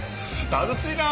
楽しいな！